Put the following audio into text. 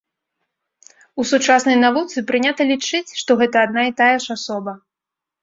У сучаснай навуцы прынята лічыць, што гэта адна і тая ж асоба.